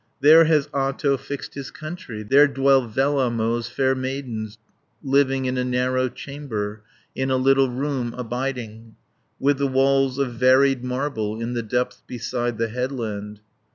"There has Ahto fixed his country, There dwell Vellamo's fair maidens, 30 Living in a narrow chamber, In a little room abiding, With the walls of varied marble, In the depths beside the headland."